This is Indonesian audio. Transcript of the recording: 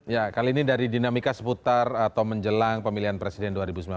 ya kali ini dari dinamika seputar atau menjelang pemilihan presiden dua ribu sembilan belas